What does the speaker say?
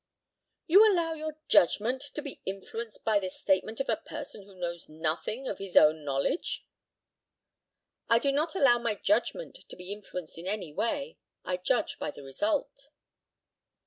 You allow your judgment to be influenced by the statement of a person who knows nothing of his own knowledge? I do not allow my judgment to be influenced in any way; I judge by the result.